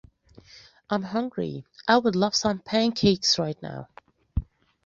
I am hungry, I would love some pancakes right now.